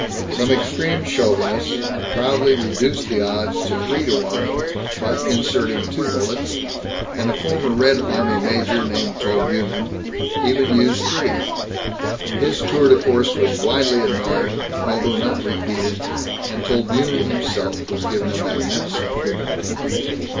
Some extreme chauvinists proudly reduced the odds to three to one by inserting two bullets, and a former Red Army major named Tolbunin even used three. His tour de force was widely admired, although not repeated, and Tolbunin himself was given a magnificent funeral.